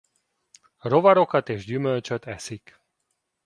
Rovarokat és gyümölcsöt eszik.